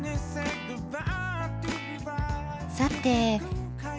さて。